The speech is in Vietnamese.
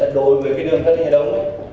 đối với đường tân lý hệ đống